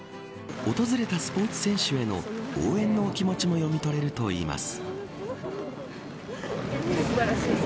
訪れたスポーツ選手への応援の気持ちも読み取れるといいます。